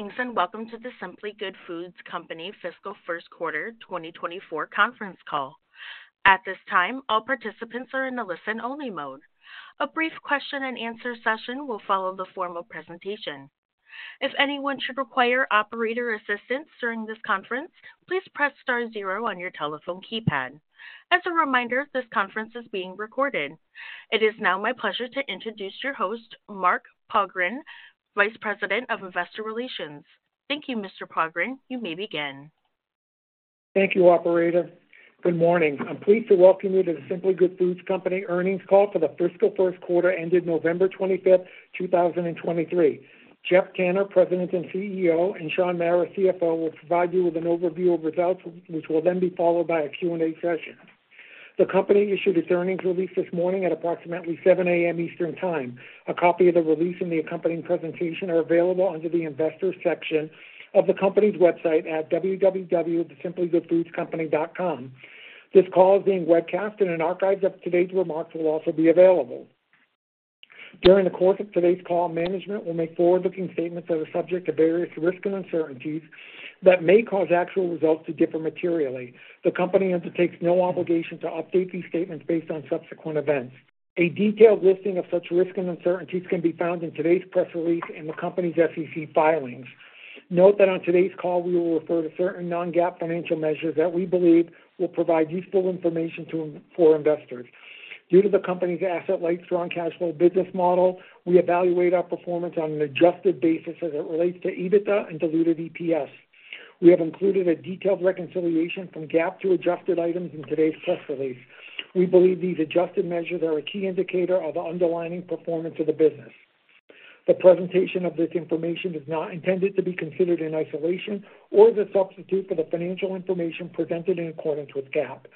Greetings, and welcome to The Simply Good Foods Company Fiscal First Quarter 2024 conference call. At this time, all participants are in a listen-only mode. A brief question-and-answer session will follow the formal presentation. If anyone should require operator assistance during this conference, please press * 0 on your telephone keypad. As a reminder, this conference is being recorded. It is now my pleasure to introduce your host, Mark Pogharian, Vice President of Investor Relations. Thank you, Mr. Pogharian. You may begin. Thank you, Operator. Good morning. I'm pleased to welcome you to The Simply Good Foods Company earnings call for the fiscal first quarter ended November 25, 2023. Geoff Tanner, President and CEO, and Shaun Mara, CFO, will provide you with an overview of results, which will then be followed by a Q&A session. The company issued its earnings release this morning at approximately 7 A.M. Eastern Time. A copy of the release and the accompanying presentation are available under the Investors section of the company's website at www.thesimplygoodfoodscompany.com. This call is being webcast, and an archive of today's remarks will also be available. During the course of today's call, management will make forward-looking statements that are subject to various risks and uncertainties that may cause actual results to differ materially. The company undertakes no obligation to update these statements based on subsequent events. A detailed listing of such risks and uncertainties can be found in today's press release and the company's SEC filings. Note that on today's call, we will refer to certain non-GAAP financial measures that we believe will provide useful information for investors. Due to the company's asset-light, strong cash flow business model, we evaluate our performance on an adjusted basis as it relates to EBITDA and diluted EPS. We have included a detailed reconciliation from GAAP to adjusted items in today's press release. We believe these adjusted measures are a key indicator of the underlying performance of the business. The presentation of this information is not intended to be considered in isolation or as a substitute for the financial information presented in accordance with GAAP.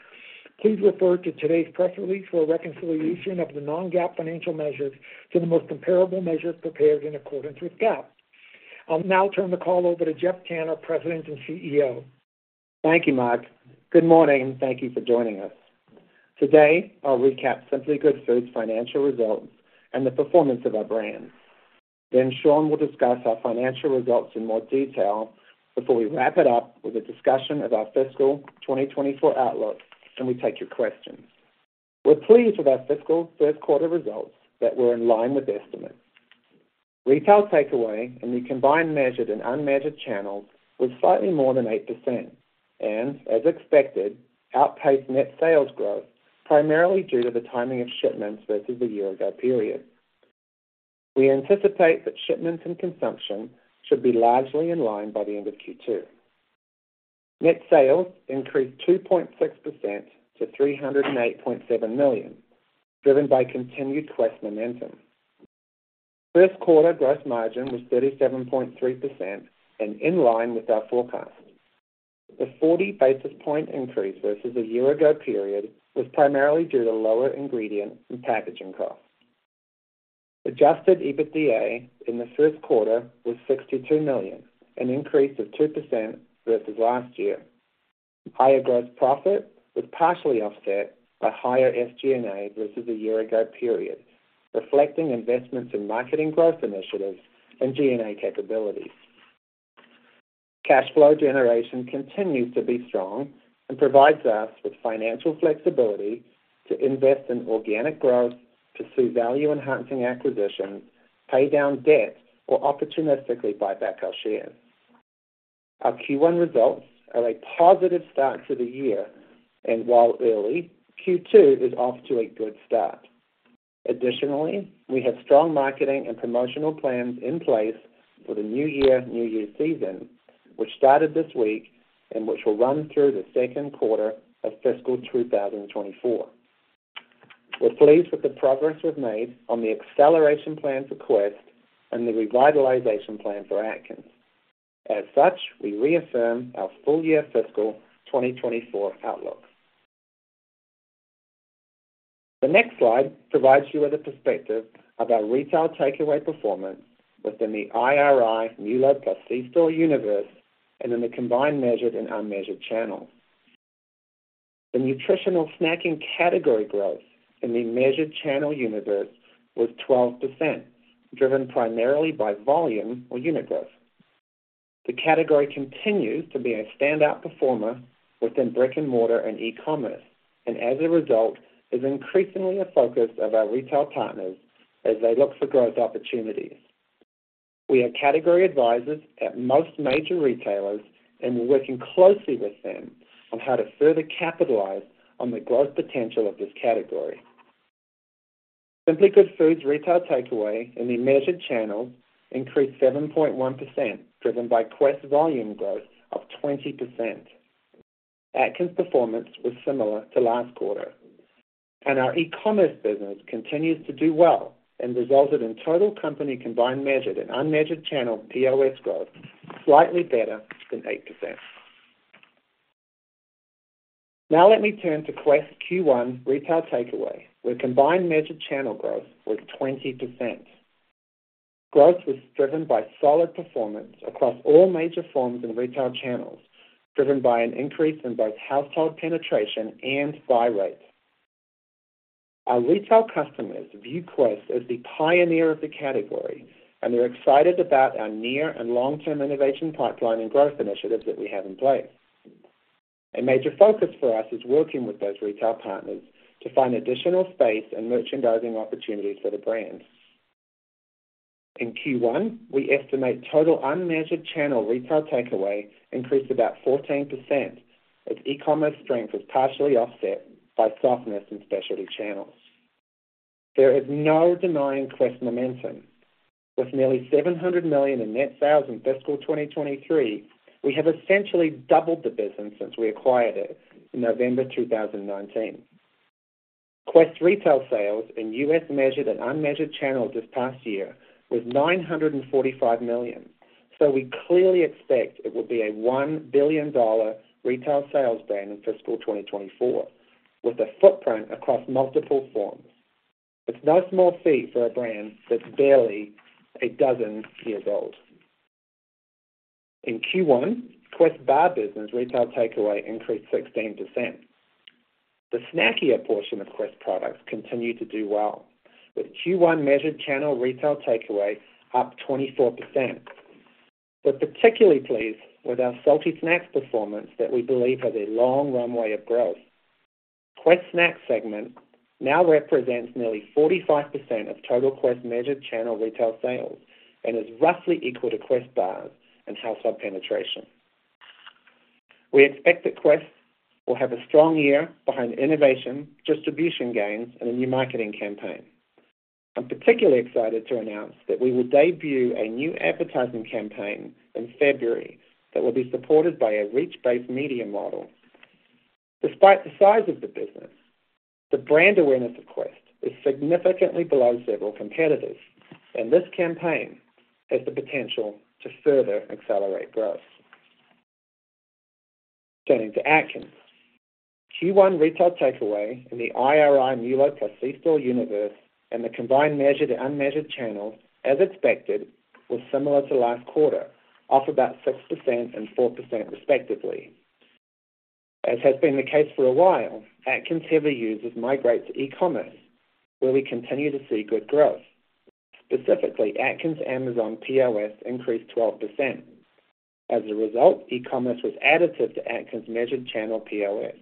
Please refer to today's press release for a reconciliation of the non-GAAP financial measures to the most comparable measures prepared in accordance with GAAP. I'll now turn the call over to Geoff Tanner, President and CEO. Thank you, Mark. Good morning and thank you for joining us. Today, I'll recap Simply Good Foods' financial results and the performance of our brands. Then Shaun will discuss our financial results in more detail before we wrap it up with a discussion of our fiscal 2024 outlook, and we take your questions. We're pleased with our fiscal first quarter results that were in line with estimates. Retail takeaway in the combined measured and unmeasured channels was slightly more than 8% and, as expected, outpaced net sales growth, primarily due to the timing of shipments versus the year-ago period. We anticipate that shipments and consumption should be largely in line by the end of Q2. Net sales increased 2.6% to $308.7 million, driven by continued Quest momentum. First quarter gross margin was 37.3% and in line with our forecast. The 40 basis point increase versus the year-ago period was primarily due to lower ingredient and packaging costs. Adjusted EBITDA in the first quarter was $62 million, an increase of 2% versus last year. Higher gross profit was partially offset by higher SG&A versus the year-ago period, reflecting investments in marketing growth initiatives and G&A capabilities. Cash flow generation continues to be strong and provides us with financial flexibility to invest in organic growth, to pursue value-enhancing acquisitions, pay down debt, or opportunistically buy back our shares. Our Q1 results are a positive start to the year, and while early, Q2 is off to a good start. Additionally, we have strong marketing and promotional plans in place for the New Year, New You season, which started this week and which will run through the second quarter of fiscal 2024. We're pleased with the progress we've made on the acceleration plan for Quest and the revitalization plan for Atkins. As such, we reaffirm our full-year fiscal 2024 outlook. The next slide provides you with a perspective of our retail takeaway performance within the IRI MULO + C-Store universe and in the combined measured and unmeasured channels. The nutritional snacking category growth in the measured channel universe was 12%, driven primarily by volume or unit growth. The category continues to be a standout performer within brick-and-mortar and e-commerce, and as a result, is increasingly a focus of our retail partners as they look for growth opportunities. We have category advisors at most major retailers, and we're working closely with them on how to further capitalize on the growth potential of this category. Simply Good Foods' retail takeaway in the measured channel increased 7.1%, driven by Quest volume growth of 20%. Atkins' performance was similar to last quarter, and our e-commerce business continues to do well and resulted in total company combined measured and unmeasured channel POS growth slightly better than 8%. Now let me turn to Quest Q1 retail takeaway, where combined measured channel growth was 20%. Growth was driven by solid performance across all major forms and retail channels, driven by an increase in both household penetration and buy rates. Our retail customers view Quest as the pioneer of the category, and they're excited about our near and long-term innovation pipeline and growth initiatives that we have in place. A major focus for us is working with those retail partners to find additional space and merchandising opportunities for the brand. In Q1, we estimate total unmeasured channel retail takeaway increased about 14%, as e-commerce strength was partially offset by softness in specialty channels. There is no denying Quest momentum. With nearly $700 million in net sales in fiscal 2023, we have essentially doubled the business since we acquired it in November 2019. Quest retail sales in U.S. measured and unmeasured channels this past year was $945 million. So, we clearly expect it will be a $1 billion retail sales brand in fiscal 2024, with a footprint across multiple forms. It's no small feat for a brand that's barely a dozen years old. In Q1, Quest bar business retail takeaway increased 16%. The snackier portion of Quest products continued to do well, with Q1 measured channel retail takeaway up 24%. We're particularly pleased with our salty snacks performance that we believe has a long runway of growth. Quest snack segment now represents nearly 45% of total Quest measured channel retail sales and is roughly equal to Quest bars and household penetration. We expect that Quest will have a strong year behind innovation, distribution gains, and a new marketing campaign. I'm particularly excited to announce that we will debut a new advertising campaign in February that will be supported by a reach-based media model. Despite the size of the business, the brand awareness of Quest is significantly below several competitors, and this campaign has the potential to further accelerate growth. Turning to Atkins. Q1 retail takeaway in the IRI MULO + C-Store universe, and the combined measured and unmeasured channels, as expected, was similar to last quarter, off about 6% and 4%, respectively. As has been the case for a while, Atkins heavy users migrate to e-commerce, where we continue to see good growth. Specifically, Atkins Amazon POS increased 12%. As a result, e-commerce was additive to Atkins' measured channel POS.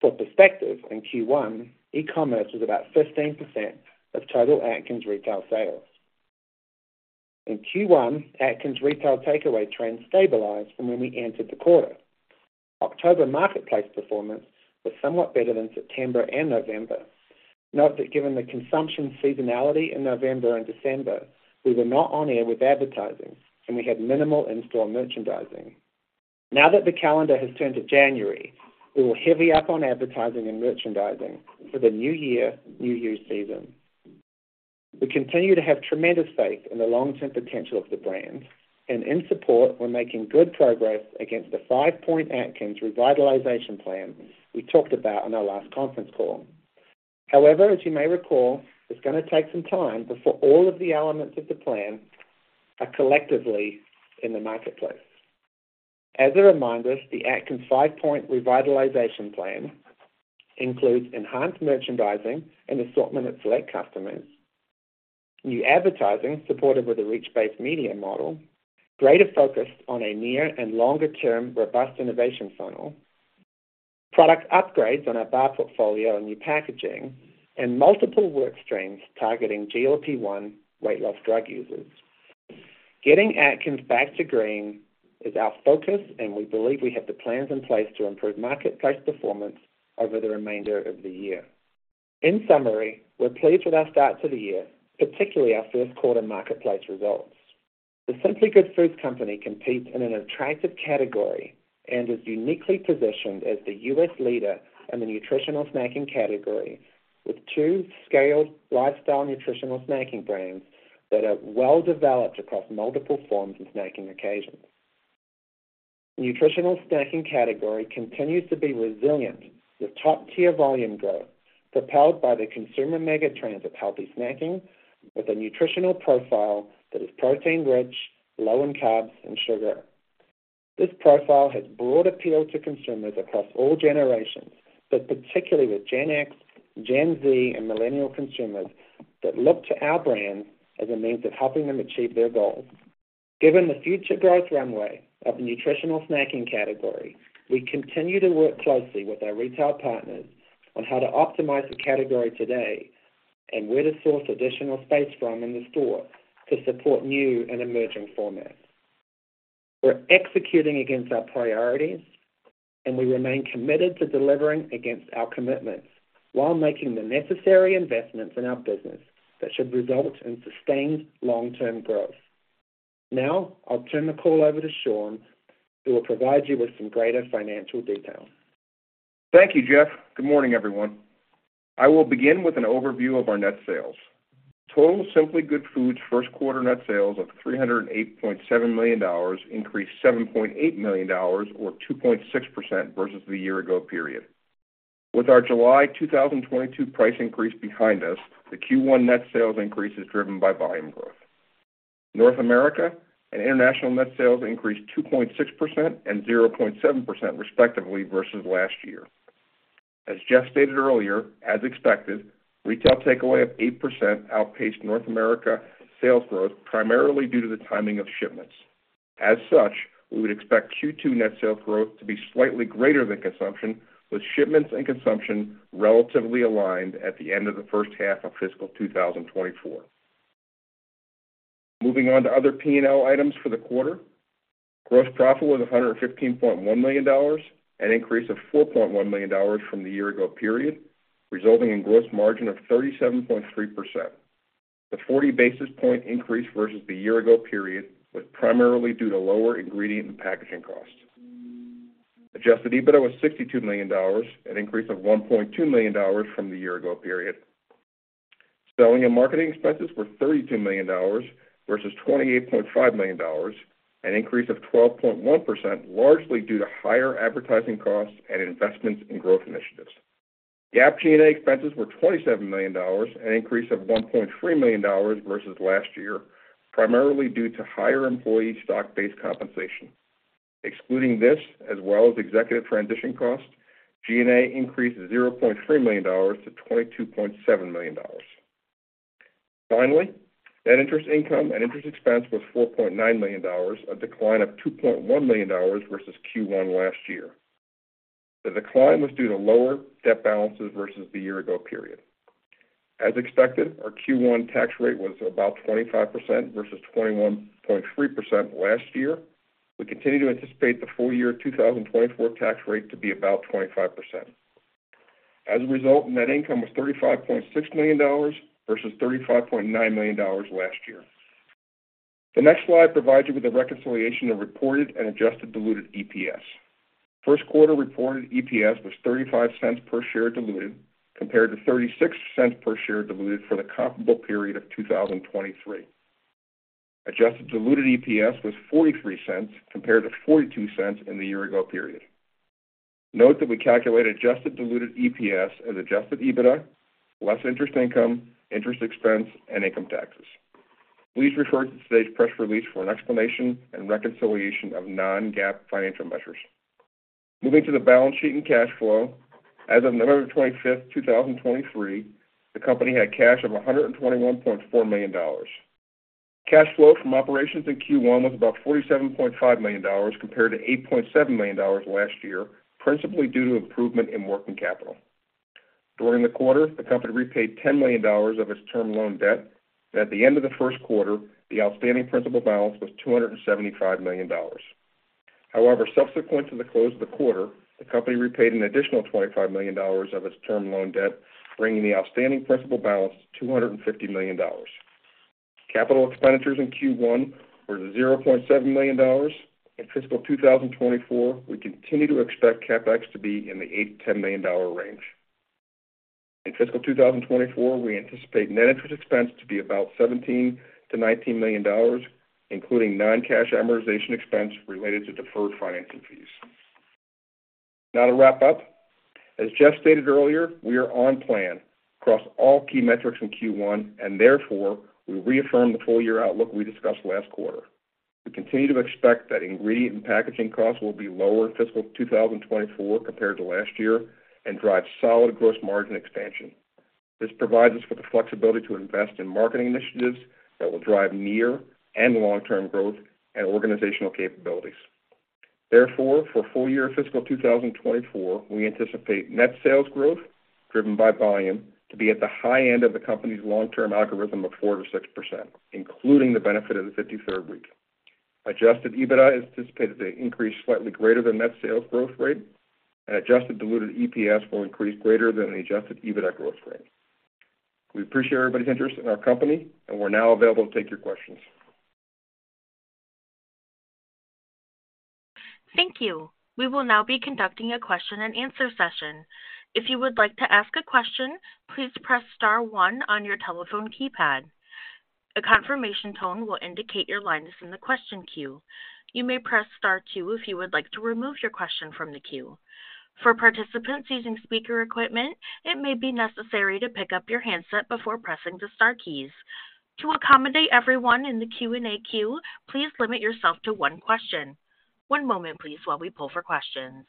For perspective, in Q1, e-commerce was about 15% of total Atkins retail sales. In Q1, Atkins' retail takeaway trend stabilized from when we entered the quarter. October marketplace performance was somewhat better than September and November. Note that given the consumption seasonality in November and December, we were not on air with advertising, and we had minimal in-store merchandising. Now that the calendar has turned to January, we will heavy up on advertising and merchandising for the new year, new year season. We continue to have tremendous faith in the long-term potential of the brand, and in support, we're making good progress against the five-point Atkins revitalization plan we talked about on our last conference call. However, as you may recall, it's gonna take some time before all of the elements of the plan are collectively in the marketplace. As a reminder, the Atkins five-point revitalization plan includes enhanced merchandising and assortment of select customers, new advertising supported with a reach-based media model, greater focus on a near and longer-term robust innovation funnel, product upgrades on our bar portfolio and new packaging, and multiple work streams targeting GLP-1 weight loss drug users. Getting Atkins back to green is our focus, and we believe we have the plans in place to improve marketplace performance over the remainder of the year. In summary, we're pleased with our start to the year, particularly our first quarter marketplace results. The Simply Good Foods Company competes in an attractive category and is uniquely positioned as the U.S. leader in the nutritional snacking category, with two scaled lifestyle nutritional snacking brands that are well developed across multiple forms and snacking occasions. Nutritional snacking category continues to be resilient, with top-tier volume growth propelled by the consumer mega trends of healthy snacking, with a nutritional profile that is protein-rich, low in carbs and sugar. This profile has broad appeal to consumers across all generations, but particularly with Gen X, Gen Z, and millennial consumers that look to our brands as a means of helping them achieve their goals. Given the future growth runway of the nutritional snacking category, we continue to work closely with our retail partners on how to optimize the category today and where to source additional space from in the store to support new and emerging formats. We're executing against our priorities, and we remain committed to delivering against our commitments while making the necessary investments in our business that should result in sustained long-term growth. Now I'll turn the call over to Shaun, who will provide you with some greater financial detail. Thank you, Geoff. Good morning, everyone. I will begin with an overview of our net sales. Total Simply Good Foods first quarter net sales of $308.7 million increased $7.8 million, or 2.6% versus the year ago period. With our July 2022 price increase behind us, the Q1 net sales increase is driven by volume growth. North America and international net sales increased 2.6% and 0.7% respectively versus last year. As Geoff stated earlier, as expected, retail takeaway of 8% outpaced North America sales growth, primarily due to the timing of shipments. As such, we would expect Q2 net sales growth to be slightly greater than consumption, with shipments and consumption relatively aligned at the end of the first half of fiscal 2024. Moving on to other P&L items for the quarter. Gross profit was $115.1 million dollars, an increase of $4.1 million dollars from the year ago period, resulting in gross margin of 37.3%. The 40-basis point increase versus the year ago period was primarily due to lower ingredient and packaging costs. Adjusted EBITDA was $62 million dollars, an increase of $1.2 million dollars from the year ago period. Selling and marketing expenses were $32 million dollars versus $28.5 million, an increase of 12.1%, largely due to higher advertising costs and investments in growth initiatives. GAAP G&A expenses were $27 million dollars, an increase of $1.3 million dollars versus last year, primarily due to higher employee stock-based compensation. Excluding this, as well as executive transition costs, G&A increased $0.3 million to $22.7 million. Finally, net interest income and interest expense was $4.9 million, a decline of $2.1 million versus Q1 last year. The decline was due to lower debt balances versus the year ago period. As expected, our Q1 tax rate was about 25% versus 21.3% last year. We continue to anticipate the full year 2024 tax rate to be about 25%. As a result, net income was $35.6 million versus $35.9 million last year. The next slide provides you with a reconciliation of reported and adjusted diluted EPS. First quarter reported EPS was $0.35 per diluted share, compared to $0.36 per diluted share for the comparable period of 2023. Adjusted diluted EPS was $0.43 compared to $0.42 in the year ago period. Note that we calculate adjusted diluted EPS as adjusted EBITDA, less interest income, interest expense, and income taxes. Please refer to today's press release for an explanation and reconciliation of non-GAAP financial measures. Moving to the balance sheet and cash flow. As of November 25th, 2023, the company had cash of $121.4 million. Cash flow from operations in Q1 was about $47.5 million, compared to $8.7 million last year, principally due to improvement in working capital. During the quarter, the company repaid $10 million of its term loan debt. At the end of the first quarter, the outstanding principal balance was $275 million. However, subsequent to the close of the quarter, the company repaid an additional $25 million of its term loan debt, bringing the outstanding principal balance to $250 million. Capital expenditures in Q1 were $0.7 million. In fiscal 2024, we continue to expect CapEx to be in the $8 million-$10 million range. In fiscal 2024, we anticipate net interest expense to be about $17 million-$19 million, including non-cash amortization expense related to deferred financing fees. Now to wrap up. As Geoff stated earlier, we are on plan across all key metrics in Q1, and therefore, we reaffirm the full year outlook we discussed last quarter. We continue to expect that ingredient and packaging costs will be lower in fiscal 2024 compared to last year and drive solid gross margin expansion. This provides us with the flexibility to invest in marketing initiatives that will drive near- and long-term growth and organizational capabilities. Therefore, for full year fiscal 2024, we anticipate net sales growth driven by volume to be at the high end of the company's long-term algorithm of 4%-6%, including the benefit of the 53rd week. Adjusted EBITDA is anticipated to increase slightly greater than net sales growth rate and Adjusted Diluted EPS will increase greater than the Adjusted EBITDA growth rate. We appreciate everybody's interest in our company, and we're now available to take your questions. Thank you. We will now be conducting a question-and-answer session. If you would like to ask a question, please press * 1 on your telephone keypad. A confirmation tone will indicate your line is in the question queue. You may press * 2 if you would like to remove your question from the queue. For participants using speaker equipment, it may be necessary to pick up your handset before pressing the * keys. To accommodate everyone in the Q&A queue, please limit yourself to one question. One moment, please, while we pull for questions.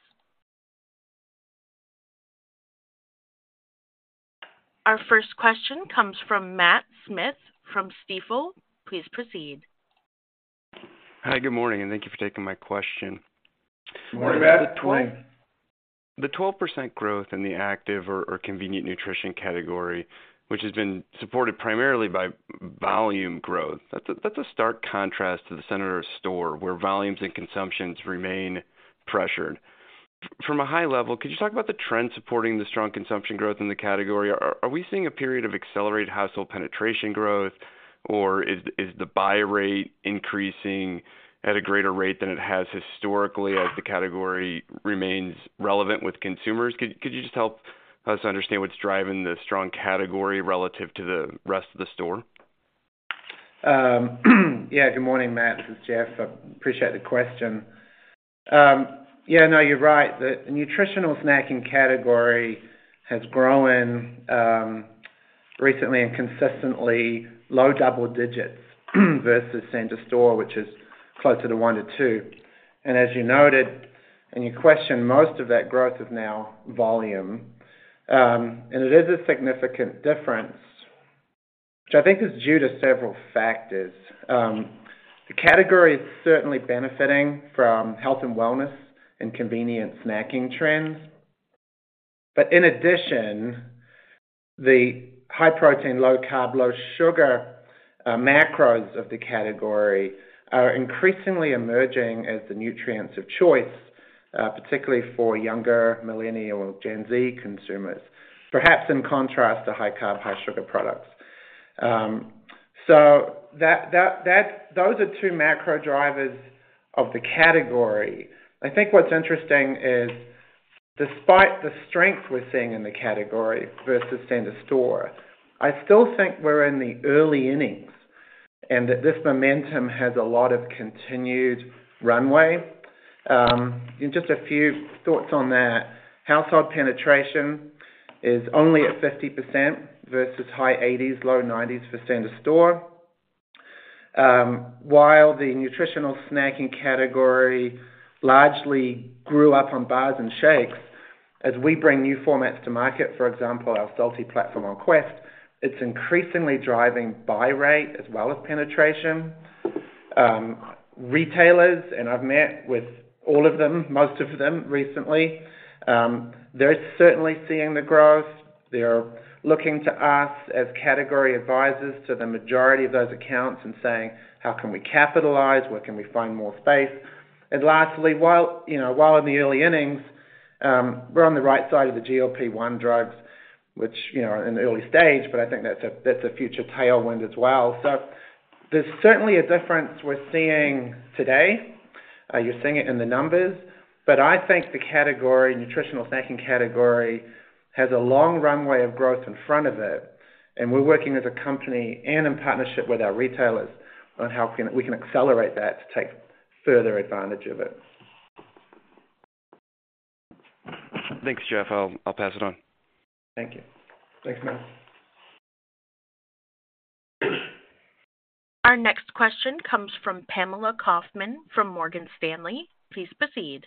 Our first question comes from Matt Smith from Stifel. Please proceed. Hi, good morning, and thank you for taking my question. Good morning, Matt. The 12% growth in the active or convenient nutrition category, which has been supported primarily by volume growth, that's a stark contrast to the center of store, where volumes and consumptions remain pressured. From a high level, could you talk about the trend supporting the strong consumption growth in the category? Are we seeing a period of accelerated household penetration growth, or is the buy rate increasing at a greater rate than it has historically as the category remains relevant with consumers? Could you just help us understand what's driving the strong category relative to the rest of the store? Yeah, good morning, Matt. This is Geoff. I appreciate the question. Yeah, no, you're right. The nutritional snacking category has grown recently and consistently low double digits versus standard store, which is closer to 1-2. And as you noted in your question, most of that growth is now volume. And it is a significant difference, which I think is due to several factors. The category is certainly benefiting from health and wellness and convenient snacking trends. But in addition, the high protein, low carb, low sugar macros of the category are increasingly emerging as the nutrients of choice, particularly for younger millennial Gen Z consumers, perhaps in contrast to high carb, high sugar products. So, those are two macro drivers of the category. I think what's interesting is, despite the strength we're seeing in the category versus standard store, I still think we're in the early innings, and that this momentum has a lot of continued runways. And just a few thoughts on that. Household penetration is only at 50% versus high 80s, low 90s for standard store. While the nutritional snacking category largely grew up on bars and shakes, as we bring new formats to market, for example, our salty platform on Quest, it's increasingly driving buy rate as well as penetration. Retailers, and I've met with all of them, most of them recently, they're certainly seeing the growth. They're looking to us as category advisors to the majority of those accounts and saying: How can we capitalize? Where can we find more space? And lastly, while, you know, while in the early innings, we're on the right side of the GLP-1 drugs, which, you know, are in the early stage, but I think that's a, that's a future tailwind as well. So, there's certainly a difference we're seeing today. You're seeing it in the numbers, but I think the category, nutritional snacking category, has a long runway of growth in front of it, and we're working as a company and in partnership with our retailers on how we can accelerate that to take further advantage of it. Thanks, Geoff. I'll pass it on. Thank you. Thanks, Matt. Our next question comes from Pamela Kaufman from Morgan Stanley. Please proceed.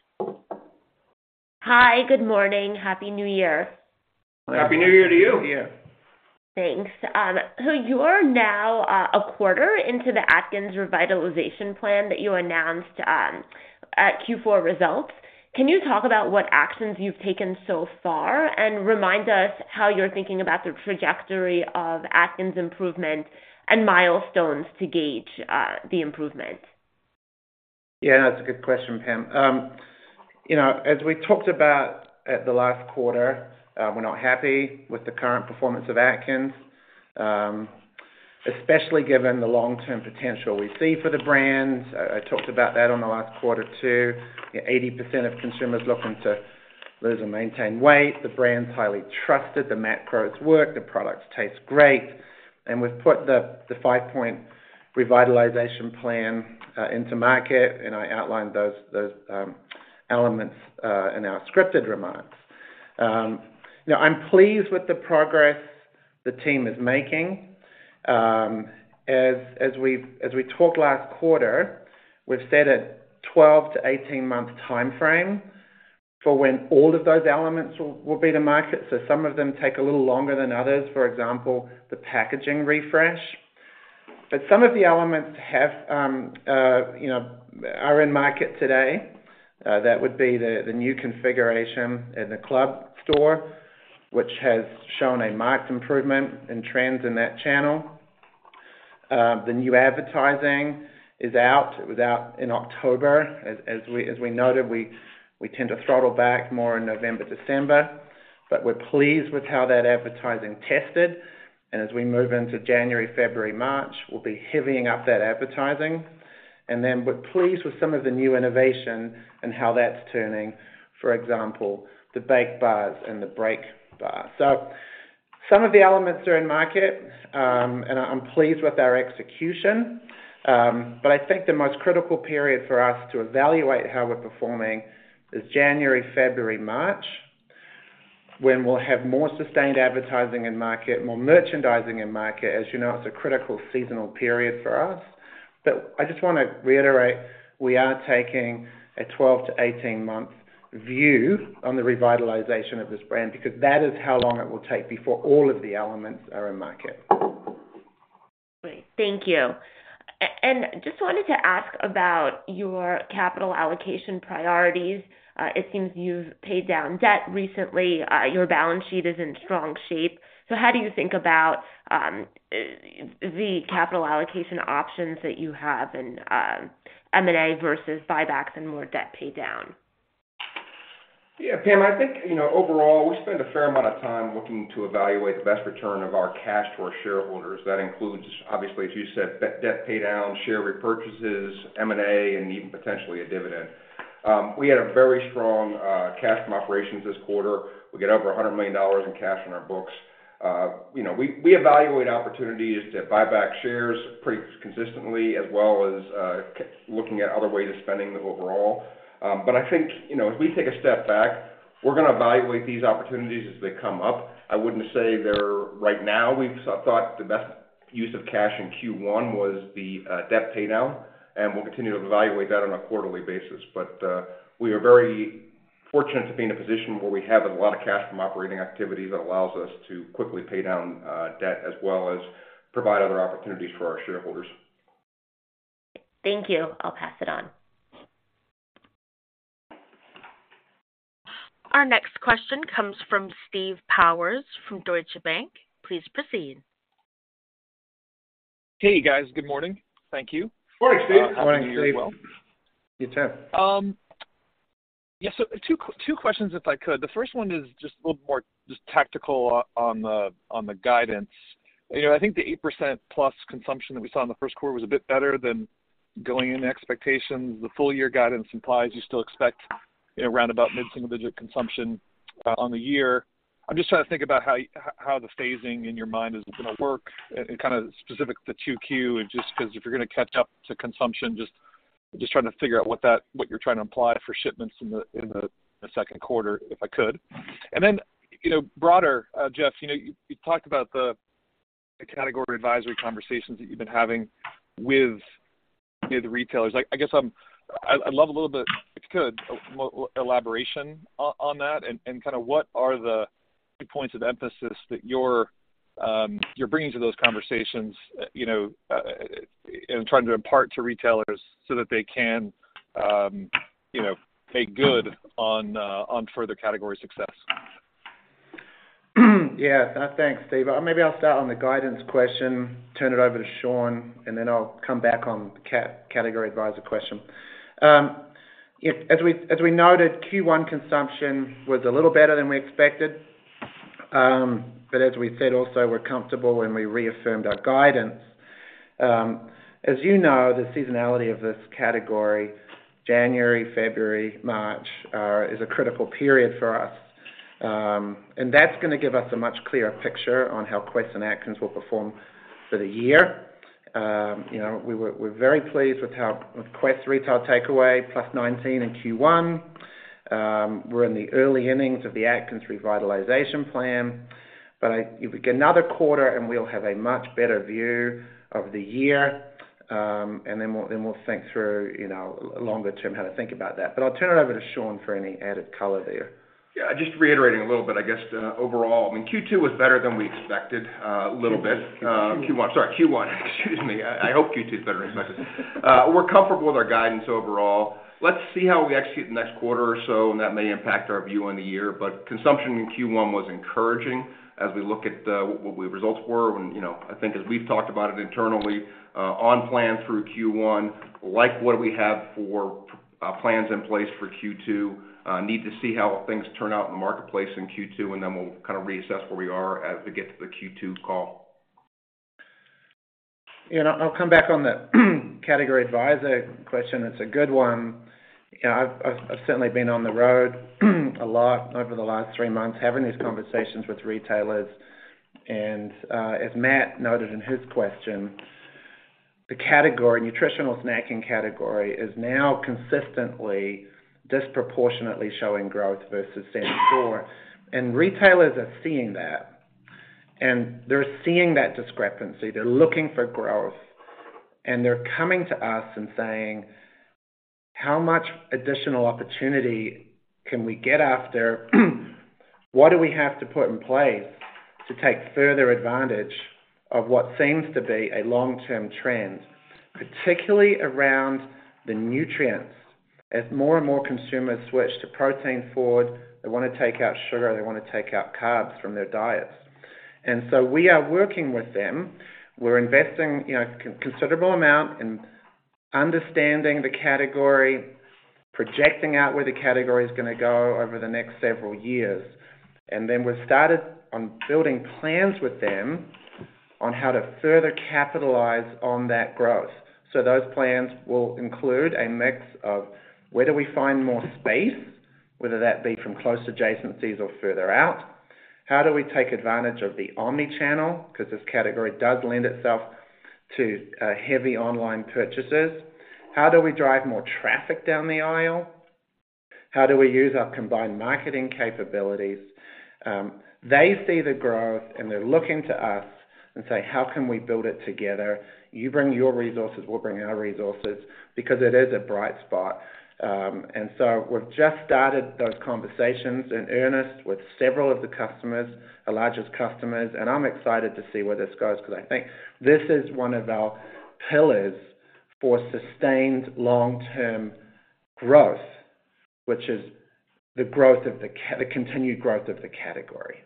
Hi, good morning. Happy New Year. Happy New Year to you. Happy New Year. Thanks. So, you're now a quarter into the Atkins revitalization plan that you announced at Q4 results. Can you talk about what actions you've taken so far, and remind us how you're thinking about the trajectory of Atkins improvement and milestones to gauge the improvement? Yeah, that's a good question, Pam. You know, as we talked about at the last quarter, we're not happy with the current performance of Atkins, especially given the long-term potential we see for the brand. I talked about that on the last quarter, too. 80% of consumers looking to lose or maintain weight. The brand's highly trusted, the macros work, the products taste great, and we've put the five-point revitalization plan into market, and I outlined those elements in our scripted remarks. Now, I'm pleased with the progress the team is making. As we talked last quarter, we've said a 12- to 18-month timeframe for when all of those elements will be to market. So, some of them take a little longer than others, for example, the packaging refresh. But some of the elements have, you know, are in market today. That would be the new configuration in the club store, which has shown a marked improvement in trends in that channel. The new advertising is out. It was out in October. As we noted, we tend to throttle back more in November, December, but we're pleased with how that advertising tested. And as we move into January, February, March, we'll be heavying up that advertising. And then we're pleased with some of the new innovation and how that's turning, for example, the baked bars and the Break bars. So, some of the elements are in market, and I'm pleased with our execution. I think the most critical period for us to evaluate how we're performing is January, February, March, when we'll have more sustained advertising in market, more merchandising in market. As you know, it's a critical seasonal period for us. I just wanna reiterate, we are taking a 12-18-month view on the revitalization of this brand, because that is how long it will take before all of the elements are in market. Great. Thank you. And just wanted to ask about your capital allocation priorities. It seems you've paid down debt recently. Your balance sheet is in strong shape. So, how do you think about the capital allocation options that you have in M&A versus buybacks and more debt paydown?... Yeah, Pam, I think, you know, overall, we spend a fair amount of time looking to evaluate the best return of our cash to our shareholders. That includes, obviously, as you said, debt pay down, share repurchases, M&A, and even potentially a dividend. We had a very strong cash from operations this quarter. We get over $100 million in cash on our books. You know, we evaluate opportunities to buy back shares pretty consistently, as well as looking at other ways of spending the overall. But I think, you know, if we take a step back, we're gonna evaluate these opportunities as they come up. I wouldn't say there, right now, we've thought the best use of cash in Q1 was the debt pay down, and we'll continue to evaluate that on a quarterly basis. We are very fortunate to be in a position where we have a lot of cash from operating activities that allows us to quickly pay down debt as well as provide other opportunities for our shareholders. Thank you. I'll pass it on. Our next question comes from Steve Powers from Deutsche Bank. Please proceed. Hey, guys. Good morning. Thank you. Good morning, Steve. Morning, Steve. You too. Yes, so, two questions, if I could. The first one is just a little more just tactical on the, on the guidance. You know, I think the 8%+ consumption that we saw in the first quarter was a bit better than going into expectations. The full year guidance implies you still expect around about mid-single digit consumption, on the year. I'm just trying to think about how, how the phasing in your mind is gonna work and, and kinda specific to 2Q, just 'cause if you're gonna catch up to consumption, just, just trying to figure out what you're trying to imply for shipments in the, in the second quarter, if I could. And then, you know, broader, Geoff, you know, you, you talked about the, the category advisory conversations that you've been having with the retailers. I guess I'd love a little bit, if you could, elaboration on that and kinda what are the key points of emphasis that you're bringing to those conversations, you know, and trying to impart to retailers so that they can, you know, make good on further category success? Yeah, thanks, Steve. Maybe I'll start on the guidance question, turn it over to Shaun, and then I'll come back on category advisor question. As we noted, Q1 consumption was a little better than we expected. But as we said also, we're comfortable when we reaffirmed our guidance. As you know, the seasonality of this category, January, February, March, is a critical period for us. And that's gonna give us a much clearer picture on how Quest and Atkins will perform for the year. You know, we're very pleased with how Quest retail takeaway +19 in Q1. We're in the early innings of the Atkins revitalization plan, but give it another quarter, and we'll have a much better view of the year. And then we'll think through, you know, longer term, how to think about that. But I'll turn it over to Shaun for any added color there. Yeah, just reiterating a little bit, I guess, overall, I mean, Q2 was better than we expected, a little bit. Q1. Q1, sorry, Q1 excuse me. I hope Q2 is better than expected. We're comfortable with our guidance overall. Let's see how we execute the next quarter or so, and that may impact our view on the year. But consumption in Q1 was encouraging as we look at what the results were, and, you know, I think as we've talked about it internally, on plan through Q1, like what we have for plans in place for Q2. Need to see how things turn out in the marketplace in Q2, and then we'll kinda reassess where we are as we get to the Q2 call. I'll come back on the category advisor question. It's a good one. You know, I've certainly been on the road a lot over the last three months, having these conversations with retailers, and as Matt noted in his question, the category, nutritional snacking category is now consistently disproportionately showing growth versus standard four. And retailers are seeing that, and they're seeing that discrepancy. They're looking for growth, and they're coming to us and saying: How much additional opportunity can we get after? What do we have to put in place to take further advantage of what seems to be a long-term trend, particularly around the nutrients? As more and more consumers switch to protein forward, they wanna take out sugar, they wanna take out carbs from their diets. And so, we are working with them. We're investing, you know, considerable amount in understanding the category, projecting out where the category is gonna go over the next several years. And then we've started on building plans with them on how to further capitalize on that growth. So, those plans will include a mix of: where do we find more space, whether that be from close adjacencies or further out? How do we take advantage of the omni-channel? Because this category does lend itself to heavy online purchases. How do we drive more traffic down the aisle? How do we use our combined marketing capabilities? They see the growth, and they're looking to us and say: How can we build it together? You bring your resources, we'll bring our resources, because it is a bright spot. We've just started those conversations in earnest with several of the customers, our largest customers, and I'm excited to see where this goes because I think this is one of our pillars for sustained long-term growth, which is the continued growth of the category. ...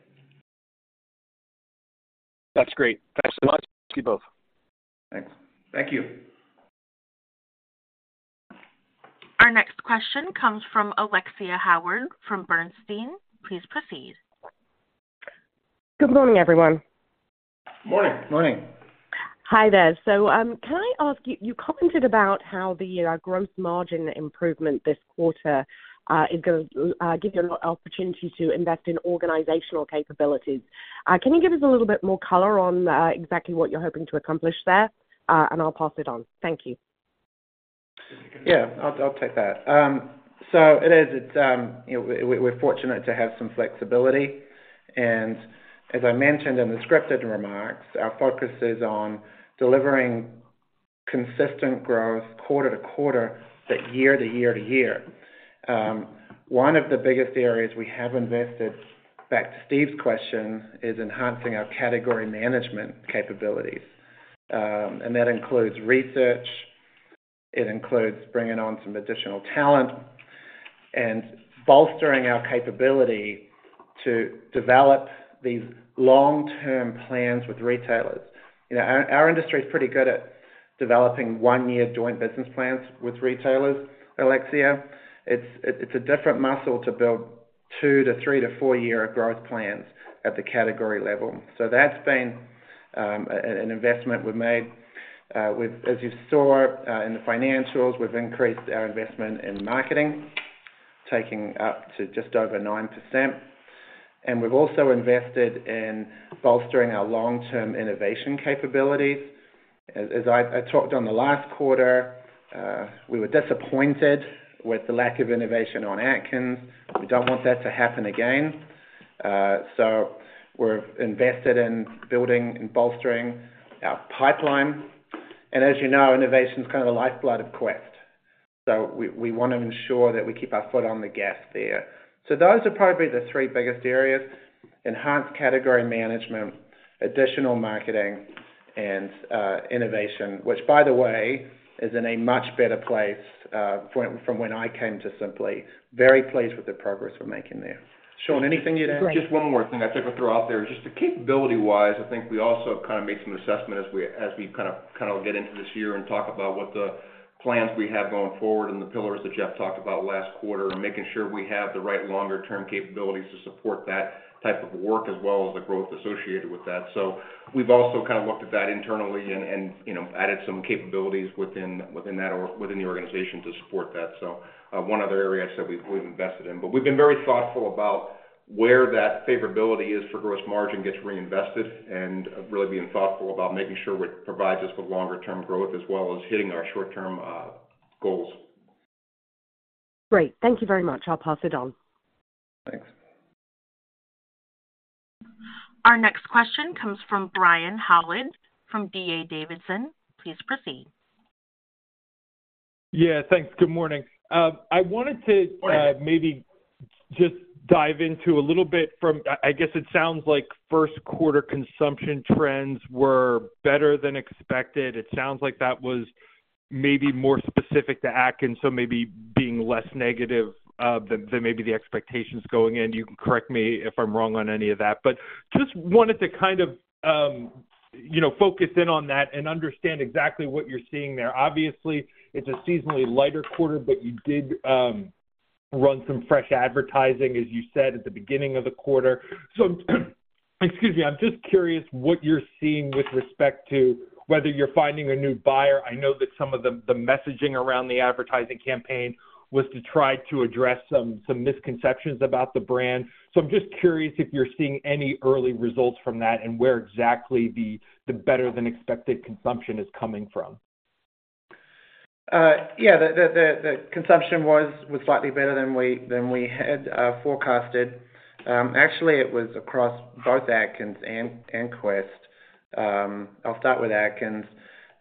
That's great. Thanks so much to you both. Thanks. Thank you. Our next question comes from Alexia Howard, from Bernstein. Please proceed. Good morning, everyone. Morning. Morning. Hi there. So, can I ask you, you commented about how the gross margin improvement this quarter is gonna give you an opportunity to invest in organizational capabilities. Can you give us a little bit more color on exactly what you're hoping to accomplish there? And I'll pass it on. Thank you. Yeah, I'll take that. So, it is you know, we're fortunate to have some flexibility. And as I mentioned in the scripted remarks, our focus is on delivering consistent growth quarter to quarter, then year to year to year. One of the biggest areas we have invested, back to Steve's question, is enhancing our Category Management capabilities. And that includes research. It includes bringing on some additional talent and bolstering our capability to develop these long-term plans with retailers. You know, our industry is pretty good at developing 1-year joint business plans with retailers, Alexia. It's a different muscle to build 2- to 3- to 4-year growth plans at the category level. So, that's been an investment we've made. With, as you saw, in the financials, we've increased our investment in marketing, taking up to just over 9%, and we've also invested in bolstering our long-term innovation capabilities. As I talked on the last quarter, we were disappointed with the lack of innovation on Atkins. We don't want that to happen again. So, we're invested in building and bolstering our pipeline. And as you know, innovation is kind of a lifeblood of Quest. So, we wanna ensure that we keep our foot on the gas there. So, those are probably the three biggest areas: enhanced category management, additional marketing, and innovation, which, by the way, is in a much better place from when I came to Simply. Very pleased with the progress we're making there. Shaun, anything you'd add. Just one more thing I took to throw out there. Just the capability-wise, I think we also kind of made some assessment as we kind of get into this year and talk about what the plans we have going forward and the pillars that Geoff talked about last quarter, and making sure we have the right longer term capabilities to support that type of work, as well as the growth associated with that. So, we've also kind of looked at that internally and you know added some capabilities within that or within the organization to support that. So, one other area I'd say we've invested in. But we've been very thoughtful about where that favorability is for gross margin gets reinvested and, really being thoughtful about making sure it provides us with longer term growth as well as hitting our short-term goals. Great. Thank you very much. I'll pass it on. Thanks. Our next question comes from Brian Holland, from D.A. Davidson. Please proceed. Yeah, thanks. Good morning. I wanted to- Good morning. Maybe just dive into a little bit. I guess it sounds like first quarter consumption trends were better than expected. It sounds like that was maybe more specific to Atkins, so maybe being less negative than maybe the expectations going in. You can correct me if I'm wrong on any of that. But just wanted to kind of, you know, focus in on that and understand exactly what you're seeing there. Obviously, it's a seasonally lighter quarter, but you did run some fresh advertising, as you said, at the beginning of the quarter. So, excuse me, I'm just curious what you're seeing with respect to whether you're finding a new buyer. I know that some of the messaging around the advertising campaign was to try to address some misconceptions about the brand. I'm just curious if you're seeing any early results from that and where exactly the better-than-expected consumption is coming from? Yeah, the consumption was slightly better than we had forecasted. Actually, it was across both Atkins and Quest. I'll start with Atkins.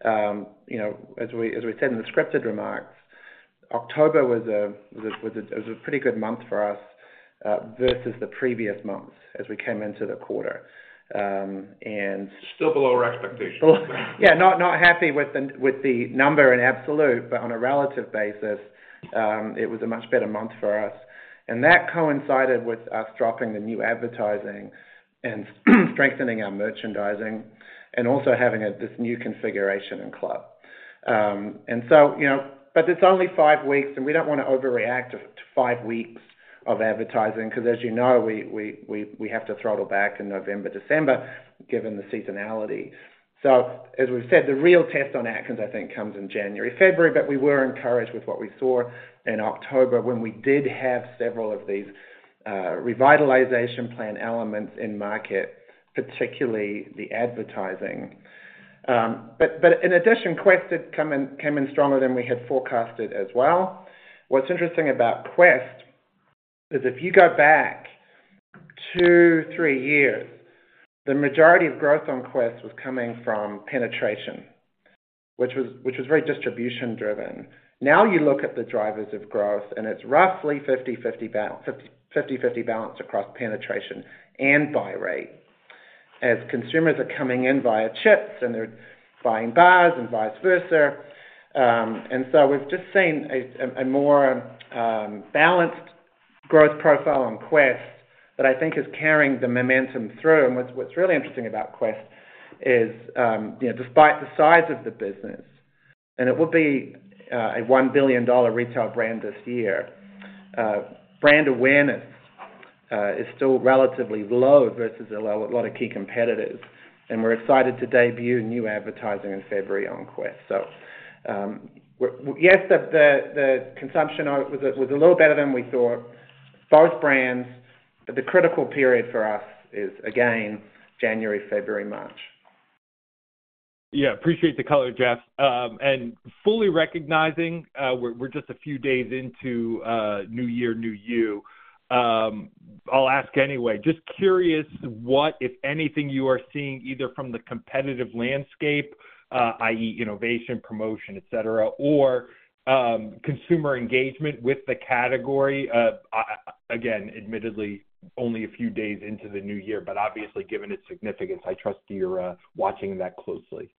You know, as we said in the scripted remarks, October was a pretty good month for us versus the previous months as we came into the quarter, and- Still below our expectations. Yeah, not happy with the number in absolute, but on a relative basis, it was a much better month for us. And that coincided with us dropping the new advertising and strengthening our merchandising and also having this new configuration in club. And so, you know... But it's only five weeks, and we don't wanna overreact to five weeks of advertising, 'cause as you know, we have to throttle back in November, December, given the seasonality. So, as we've said, the real test on Atkins, I think, comes in January, February, but we were encouraged with what we saw in October when we did have several of these revitalization plan elements in market, particularly the advertising. But in addition, Quest did come in stronger than we had forecasted as well. What's interesting about Quest is if you go back 2-3 years, the majority of growth on Quest was coming from penetration, which was very distribution driven. Now, you look at the drivers of growth, and it's roughly 50/50 balance across penetration and buy rate, as consumers are coming in via chips, and they're buying bars and vice versa. And so, we've just seen a more balanced growth profile on Quest that I think is carrying the momentum through. And what's really interesting about Quest is, you know, despite the size of the business, and it will be a $1 billion retail brand this year, brand awareness is still relatively low versus a lot of key competitors, and we're excited to debut new advertising in February on Quest. So, yes, the consumption of it was a little better than we thought. Both brands, the critical period for us is, again, January, February, March. Yeah, appreciate the color, Geoff. And fully recognizing, we're just a few days into New Year, new you. I'll ask anyway: Just curious, what, if anything, you are seeing, either from the competitive landscape, i.e., innovation, promotion, et cetera, or consumer engagement with the category? Again, admittedly, only a few days into the new year, but obviously, given its significance, I trust you're watching that closely.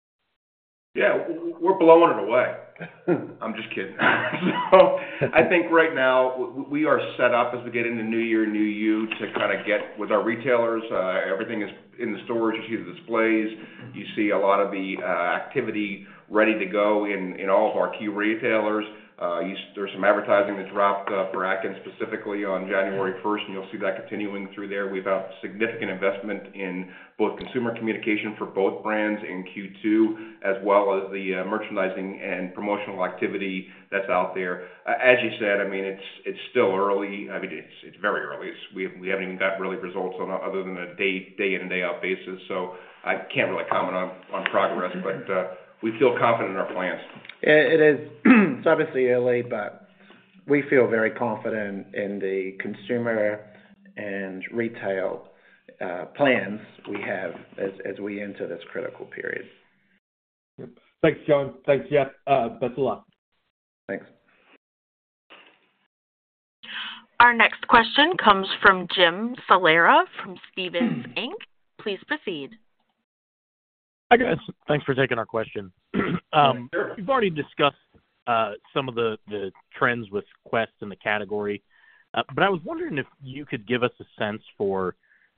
Yeah, we're blowing it away. I'm just kidding. So I think right now we are set up as we get into New Year, new you, to kinda get with our retailers. Everything is in the stores. You see the displays, you see a lot of the activity ready to go in all of our key retailers. There's some advertising that dropped for Atkins specifically on January 1st, and you'll see that continuing through there. We've got significant investment in both consumer communication for both brands in Q2, as well as the merchandising and promotional activity that's out there. As you said, I mean, it's still early. I mean, it's very early. It's... We haven't even got really results on other than a day in and day out basis, so I can't really comment on progress. But we feel confident in our plans. Yeah, it is. It's obviously early, but we feel very confident in the consumer and retail plans we have as we enter this critical period. Thanks, Shaun. Thanks, Geoff. Best of luck. Thanks. Our next question comes from Jim Salera from Stephens Inc. Please proceed. Hi, guys. Thanks for taking our question. You've already discussed some of the trends with Quest and the category. But I was wondering if you could give us a sense for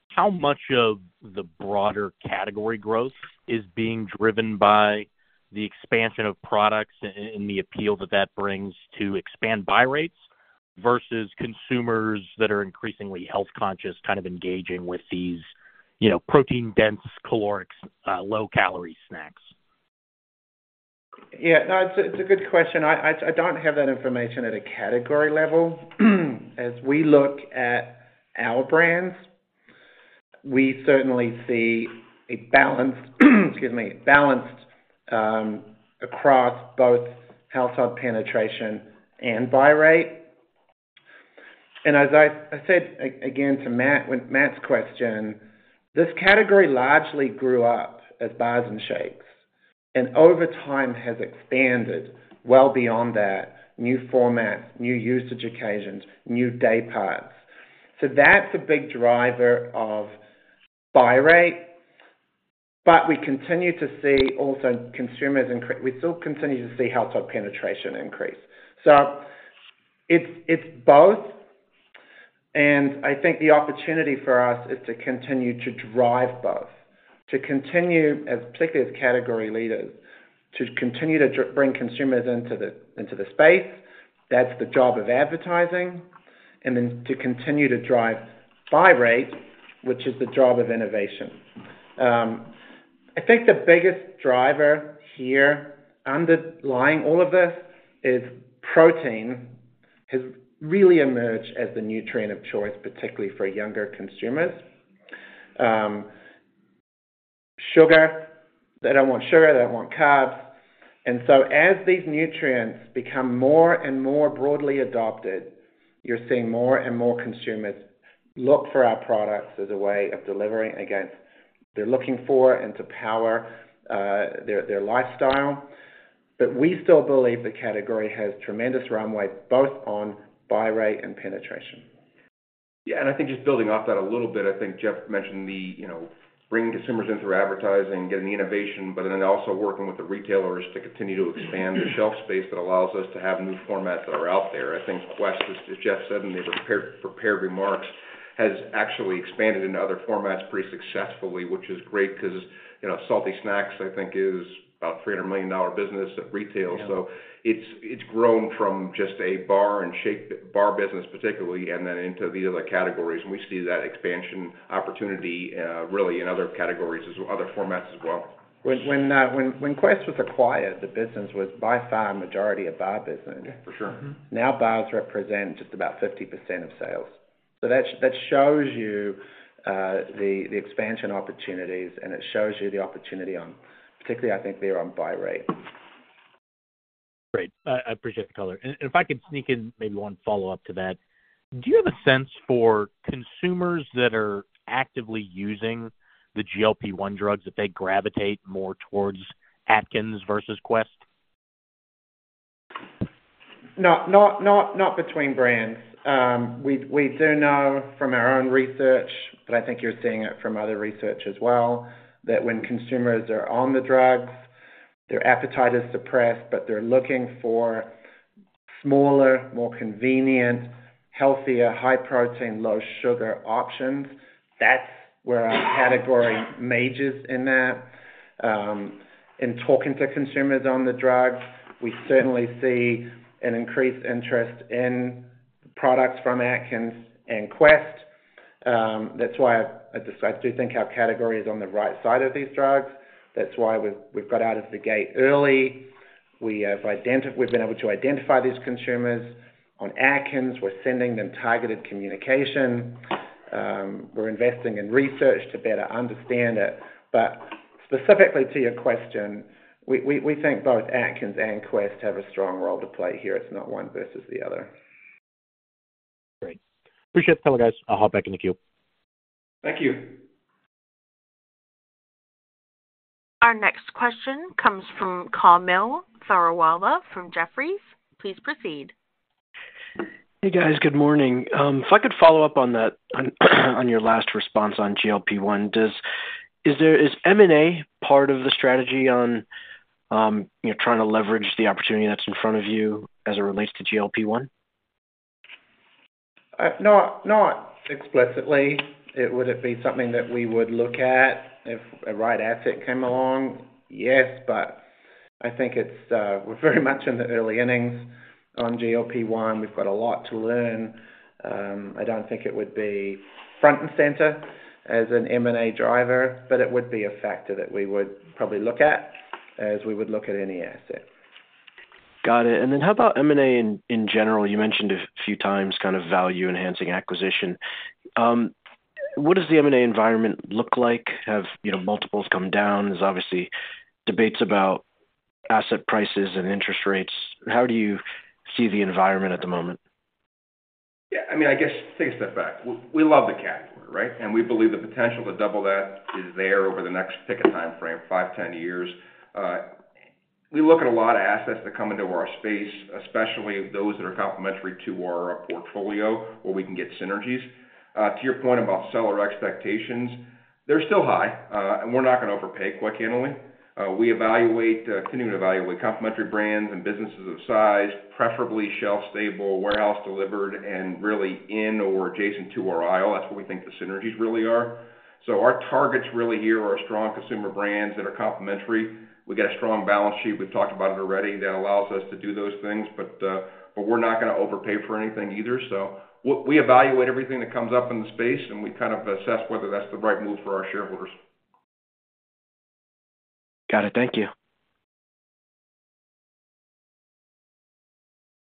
how much of the broader category growth is being driven by the expansion of products and the appeal that that brings to expand buy rates, versus consumers that are increasingly health-conscious, kind of engaging with these, you know, protein-dense, caloric, low-calorie snacks? Yeah. No, it's a good question. I don't have that information at a category level. As we look at our brands, we certainly see a balance, excuse me, balanced, across both household penetration and buy rate. And as I said again, to Matt, with Matt's question, this category largely grew up as bars and shakes, and over time has expanded well beyond that: new formats, new usage occasions, new day parts. So, that's a big driver of buy rate, but we continue to see also consumers increase - we still continue to see household penetration increase. So, it's both, and I think the opportunity for us is to continue to drive both. To continue, as particularly as category leaders, to continue to bring consumers into the, into the space. That's the job of advertising, and then to continue to drive buy rate, which is the job of innovation. I think the biggest driver here, underlying all of this, is protein, has really emerged as the nutrient of choice, particularly for younger consumers. Sugar, they don't want sugar, they don't want carbs. And so, as these nutrients become more and more broadly adopted, you're seeing more and more consumers look for our products as a way of delivering against. They're looking for and to power, their, their lifestyle. But we still believe the category has tremendous runway, both on buy rate and penetration. Yeah, and I think just building off that a little bit, I think Geoff mentioned the, you know, bringing consumers in through advertising, getting the innovation, but then also working with the retailers to continue to expand the shelf space that allows us to have new formats that are out there. I think Quest, as Geoff said in the prepared remarks, has actually expanded into other formats pretty successfully, which is great because, you know, salty snacks, I think, is about a $300 million business at retail. Yeah. So, it's grown from just a bar and shake bar business particularly, and then into the other categories. And we see that expansion opportunity, really in other categories as other formats as well. When Quest was acquired, the business was by far majority a bar business. For sure. Now, bars represent just about 50% of sales. So, that shows you the expansion opportunities, and it shows you the opportunity on particularly, I think, there on buy rate. Great. I appreciate the color. And if I could sneak in maybe one follow-up to that: Do you have a sense for consumers that are actively using the GLP-1 drugs, that they gravitate more towards Atkins versus Quest? Not between brands. We do know from our own research, but I think you're seeing it from other research as well, that when consumers are on the drugs, their appetite is suppressed, but they're looking for smaller, more convenient, healthier, high-protein, low-sugar options. That's where our category meshes in that. In talking to consumers on the drugs, we certainly see an increased interest in products from Atkins and Quest. That's why I just—I do think our category is on the right side of these drugs. That's why we've got out of the gate early. We've been able to identify these consumers. On Atkins, we're sending them targeted communication. We're investing in research to better understand it. But specifically to your question, we think both Atkins and Quest have a strong role to play here. It's not one versus the other. Great. Appreciate the time, guys. I'll hop back in the queue. Thank you. Our next question comes from Kaumil Gajrawala from Geofferies. Please proceed. Hey, guys, good morning. If I could follow up on that, on your last response on GLP-1. Is there M&A part of the strategy on, you know, trying to leverage the opportunity that's in front of you as it relates to GLP-1? Not, not explicitly. It would be something that we would look at if a right asset came along. Yes, but I think it's, we're very much in the early innings on GLP-1. We've got a lot to learn. I don't think it would be front and center as an M&A driver, but it would be a factor that we would probably look at as we would look at any asset. Got it. And then how about M&A in general? You mentioned a few times, kind of, value-enhancing acquisition. What does the M&A environment look like? Have, you know, multiples come down? There's obviously debates about asset prices and interest rates. How do you see the environment at the moment? Yeah, I mean, I guess take a step back. We, we love the category, right? And we believe the potential to double that is there over the next pick a time frame, 5, 10 years. We look at a lot of assets that come into our space, especially those that are complementary to our portfolio, where we can get synergies. To your point about seller expectations, they're still high, and we're not gonna overpay, quite candidly. We evaluate, continue to evaluate complementary brands and businesses of size, preferably shelf-stable, warehouse-delivered, and really in or adjacent to our aisle. That's where we think the synergies really are. So, our targets really here are strong consumer brands that are complementary. We've got a strong balance sheet, we've talked about it already, that allows us to do those things, but we're not gonna overpay for anything either. So, we evaluate everything that comes up in the space, and we kind of assess whether that's the right move for our shareholders. Got it. Thank you.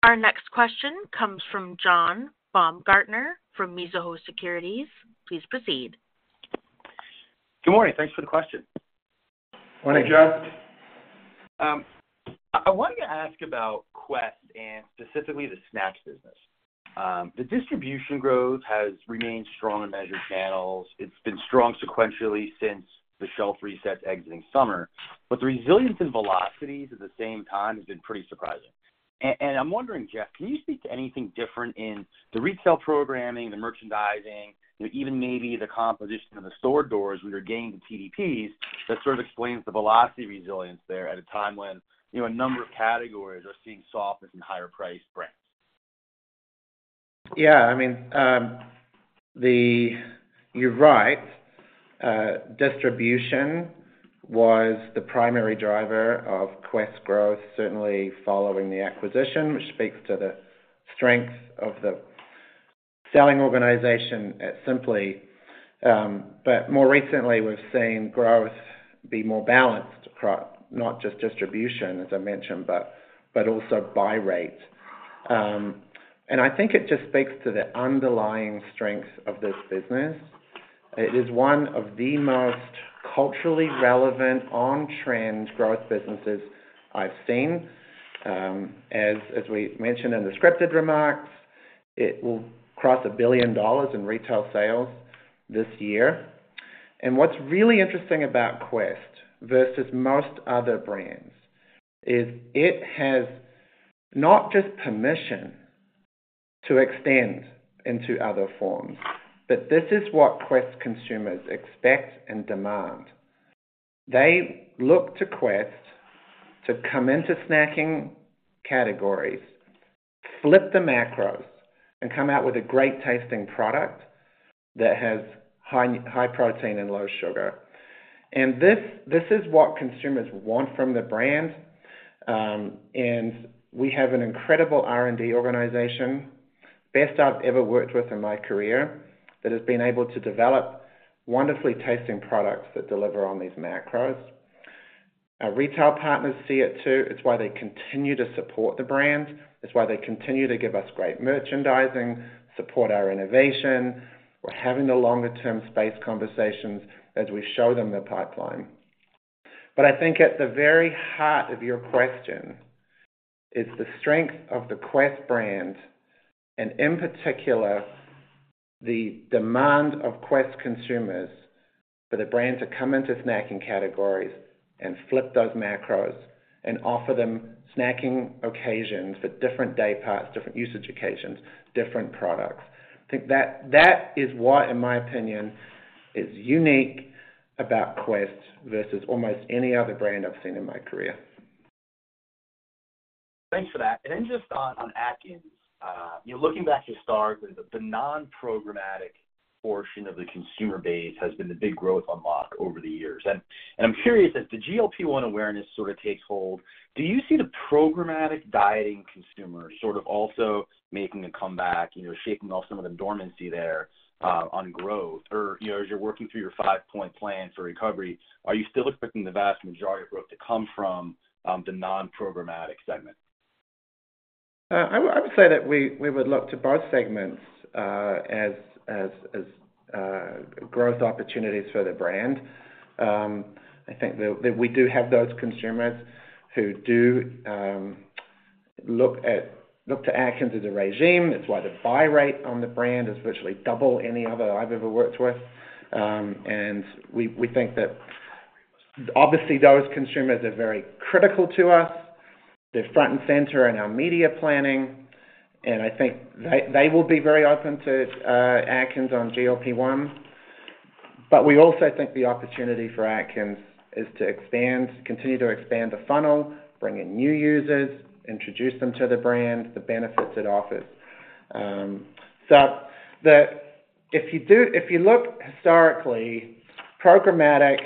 Our next question comes from John Baumgartner, from Mizuho Securities. Please proceed. Good morning. Thanks for the question. Morning, John. I wanted to ask about Quest and specifically the snacks business. The distribution growth has remained strong in measured channels. It's been strong sequentially since the shelf resets exiting summer, but the resilience and velocities at the same time has been pretty surprising. And I'm wondering, Geoff, can you speak to anything different in the retail programming, the merchandising, or even maybe the composition of the store doors when you're gaining TDPs, that sort of explains the velocity resilience there at a time when, you know, a number of categories are seeing softness in higher priced brands? Yeah, I mean, You're right. Distribution was the primary driver of Quest growth, certainly following the acquisition, which speaks to the strength of the selling organization at Simply, but more recently, we've seen growth be more balanced across, not just distribution, as I mentioned, but, but also buy rate. And I think it just speaks to the underlying strength of this business. It is one of the most culturally relevant on-trend growth businesses I've seen. As, as we mentioned in the scripted remarks, it will cross $1 billion in retail sales this year. And what's really interesting about Quest versus most other brands, is it has not just permission to extend into other forms, but this is what Quest consumers expect and demand. They look to Quest to come into snacking categories, flip the macros, and come out with a great-tasting product that has high, high protein and low sugar. And this, this is what consumers want from the brand, and we have an incredible R&D organization, best I've ever worked with in my career, that has been able to develop wonderfully tasting products that deliver on these macros. Our retail partners see it, too. It's why they continue to support the brand. It's why they continue to give us great merchandising, support our innovation. We're having the longer-term space conversations as we show them the pipeline. But I think at the very heart of your question is the strength of the Quest brand, and in particular, the demand of Quest consumers for the brand to come into snacking categories and flip those macros and offer them snacking occasions for different day parts, different usage occasions, different products. I think that, that is what, in my opinion, is unique about Quest versus almost any other brand I've seen in my career. Thanks for that. And then just on Atkins, you know, looking back historically, the non-programmatic portion of the consumer base has been the big growth unlock over the years. And I'm curious, as the GLP-1 awareness sort of takes hold, do you see the programmatic dieting consumer sort of also making a comeback, you know, shaking off some of the dormancy there on growth? Or, you know, as you're working through your five-point plan for recovery, are you still expecting the vast majority of growth to come from the non-programmatic segment? I would say that we would look to both segments as growth opportunities for the brand. I think that we do have those consumers who look to Atkins as a regime. That's why the buy rate on the brand is virtually double any other I've ever worked with. And we think that, obviously, those consumers are very critical to us. They're front and center in our media planning, and I think they will be very open to Atkins on GLP-1. But we also think the opportunity for Atkins is to expand, continue to expand the funnel, bring in new users, introduce them to the brand, the benefits it offers. So, if you look historically, programmatic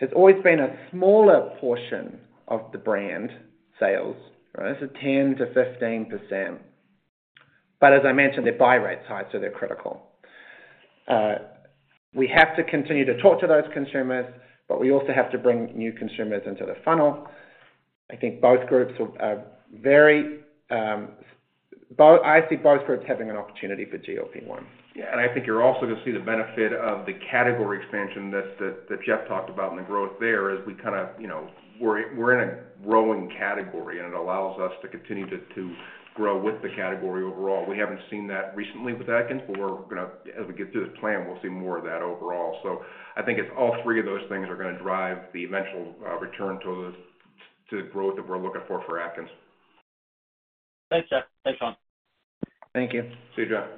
has always been a smaller portion of the brand sales. Right? It's a 10%-15%. But as I mentioned, they're buy rate high, so they're critical. We have to continue to talk to those consumers, but we also have to bring new consumers into the funnel. I think both groups are very. I see both groups having an opportunity for GLP-1. Yeah, and I think you're also going to see the benefit of the category expansion that Geoff talked about and the growth there, as we kind of, you know, we're in a growing category, and it allows us to continue to grow with the category overall. We haven't seen that recently with Atkins, but we're gonna, as we get through this plan, we'll see more of that overall. So, I think it's all three of those things are gonna drive the eventual return to the growth that we're looking for Atkins. Thanks, Geoff. Thanks, Shaun. Thank you. See you, John.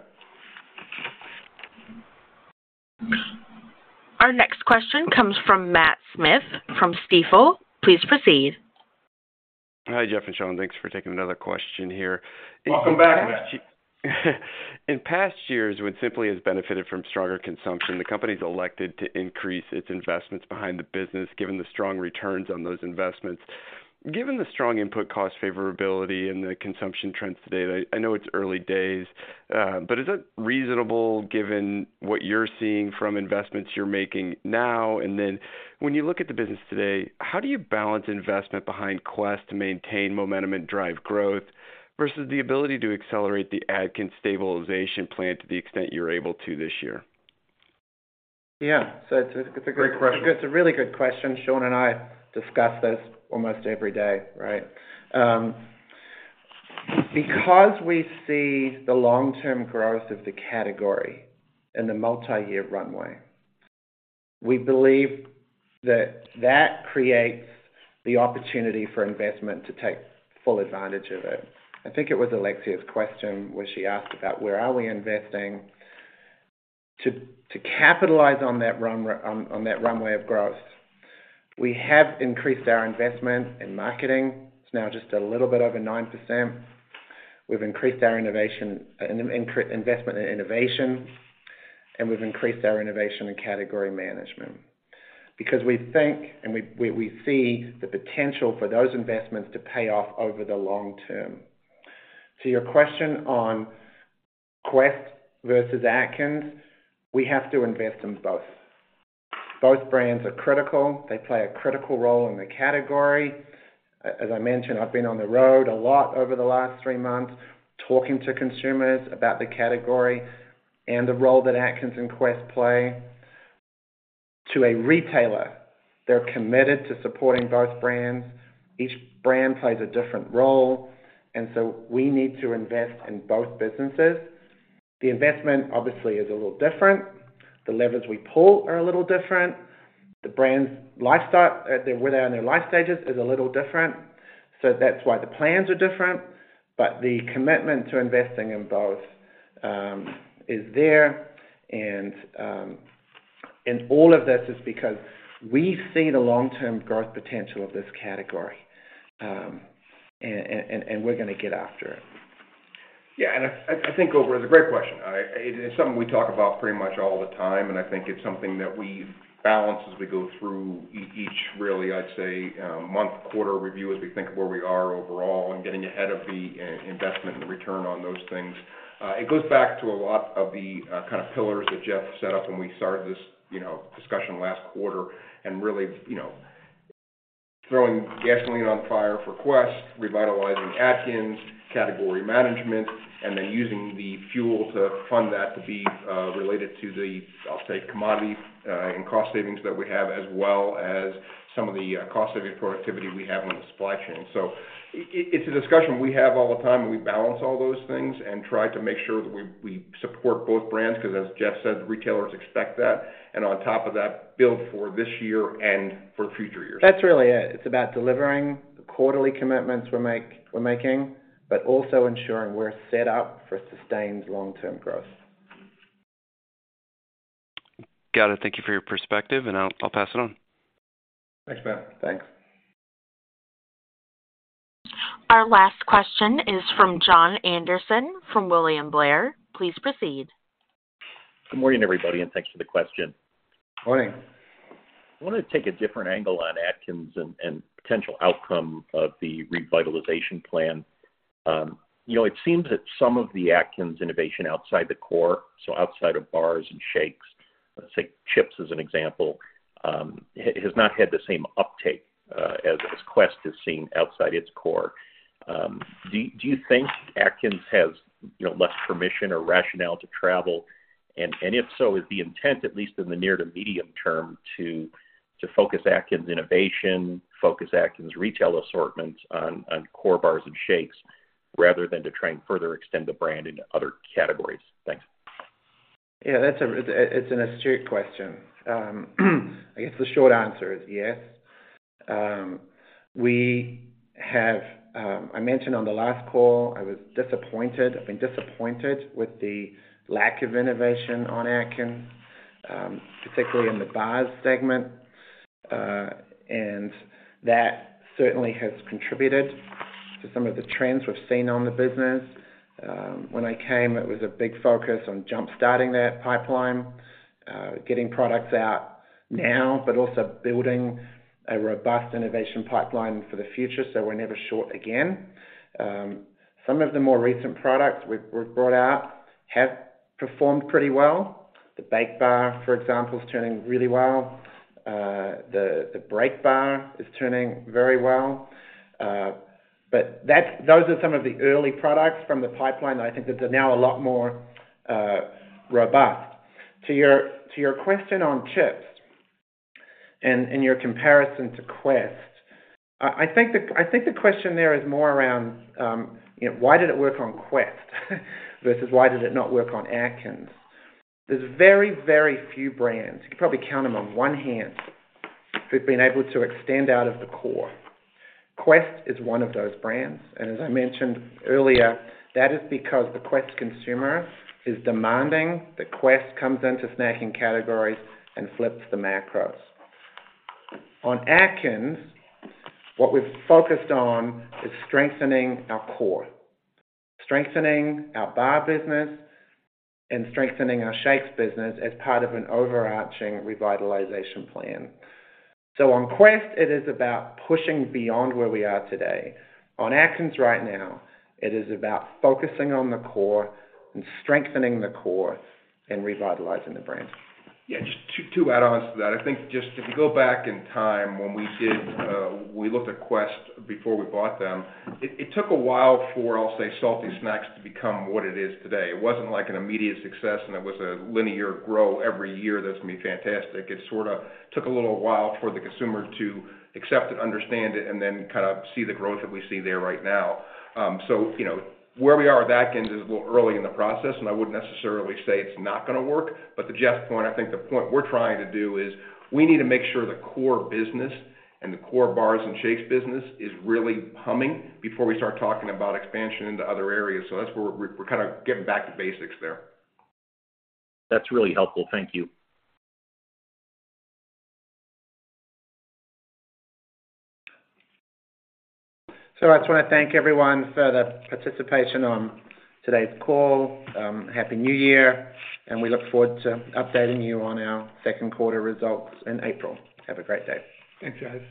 Our next question comes from Matt Smith from Stifel. Please proceed. Hi, Geoff and Shaun. Thanks for taking another question here. Welcome back, Matt. In past years, when simply has benefited from stronger consumption, the company's elected to increase its investments behind the business, given the strong returns on those investments. Given the strong input cost favorability and the consumption trends today, I know it's early days, but is it reasonable, given what you're seeing from investments you're making now? And then when you look at the business today, how do you balance investment behind Quest to maintain momentum and drive growth, versus the ability to accelerate the Atkins stabilization plan to the extent you're able to this year? Yeah. So, it's a- Great question. It's a really good question. Shaun and I discuss this almost every day, right? Because we see the long-term growth of the category and the multiyear runway, we believe that that creates the opportunity for investment to take full advantage of it. I think it was Alexia's question, where she asked about where we are investing. To capitalize on that runway of growth, we have increased our investment in marketing. It's now just a little bit over 9%. We've increased our investment in innovation, and we've increased our investment in category management because we think and we see the potential for those investments to pay off over the long term. To your question on Quest versus Atkins, we have to invest in both. Both brands are critical. They play a critical role in the category. As I mentioned, I've been on the road a lot over the last three months, talking to consumers about the category and the role that Atkins and Quest play. To a retailer, they're committed to supporting both brands. Each brand plays a different role, and so, we need to invest in both businesses. The investment, obviously, is a little different. The levers we pull are a little different. The brand's lifestyle, where they are in their life stages, is a little different. So, that's why the plans are different. But the commitment to investing in both is there. And all of this is because we see the long-term growth potential of this category, and we're gonna get after it. Yeah, and I think overall it's a great question. It's something we talk about pretty much all the time, and I think it's something that we balance as we go through each really, I'd say, month, quarter review, as we think of where we are overall and getting ahead of the investment and return on those things. It goes back to a lot of the kind of pillars that Geoff set up when we started this, you know, discussion last quarter, and really, you know, throwing gasoline on fire for Quest, revitalizing Atkins, Category Management, and then using the fuel to fund that to be related to the, I'll say, commodity and cost savings that we have, as well as some of the cost savings productivity we have on the supply chain. So, it's a discussion we have all the time, and we balance all those things and try to make sure that we support both brands, because, as Geoff said, retailers expect that, and on top of that, build for this year and for future years. That's really it. It's about delivering the quarterly commitments we're making, but also ensuring we're set up for sustained long-term growth.... Got it. Thank you for your perspective, and I'll pass it on. Thanks, Matt. Thanks. Our last question is from Jon Andersen from William Blair. Please proceed. Good morning, everybody, and thanks for the question. Morning. I wanted to take a different angle on Atkins and potential outcome of the revitalization plan. You know, it seems that some of the Atkins innovation outside the core, so, outside of bars and shakes, let's say chips as an example, has not had the same uptake, as Quest has seen outside its core. Do you think Atkins has, you know, less permission or rationale to travel? And if so, is the intent, at least in the near to medium term, to focus Atkins innovation, focus Atkins retail assortments on core bars and shakes, rather than to try and further extend the brand into other categories? Thanks. Yeah, that's an astute question. I guess the short answer is yes. I mentioned on the last call, I was disappointed. I've been disappointed with the lack of innovation on Atkins, particularly in the bars segment, and that certainly has contributed to some of the trends we've seen on the business. When I came, it was a big focus on jumpstarting that pipeline, getting products out now, but also building a robust innovation pipeline for the future, so we're never short again. Some of the more recent products we've brought out have performed pretty well. The Baked bar, for example, is turning really well. The Break bar is turning very well. But that's, those are some of the early products from the pipeline that I think is now a lot more robust. To your question on chips and your comparison to Quest, I think the question there is more around, you know, why did it work on Quest? Versus why did it not work on Atkins. There's very, very few brands, you can probably count them on one hand, who've been able to extend out of the core. Quest is one of those brands, and as I mentioned earlier, that is because the Quest consumer is demanding, that Quest comes into snacking categories and flips the macros. On Atkins, what we've focused on is strengthening our core, strengthening our bar business, and strengthening our shakes business as part of an overarching revitalization plan. So on Quest, it is about pushing beyond where we are today. On Atkins right now, it is about focusing on the core and strengthening the core and revitalizing the brand. Yeah, just 2, 2 add-ons to that. I think just if you go back in time when we did, we looked at Quest before we bought them, it, it took a while for, I'll say, salty snacks to become what it is today. It wasn't like an immediate success, and it was a linear grow every year that's going to be fantastic. It sort of took a little while for the consumer to accept it, understand it, and then kind of see the growth that we see there right now. So, you know, where we are with Atkins is a little early in the process, and I wouldn't necessarily say it's not gonna work. But to Geoff's point, I think the point we're trying to do is, we need to make sure the core business and the core bars and shakes business is really humming before we start talking about expansion into other areas. So, that's where we're kind of getting back to basics there. That's really helpful. Thank you. I just wanna thank everyone for the participation on today's call. Happy New Year, and we look forward to updating you on our second quarter results in April. Have a great day. Thanks, guys.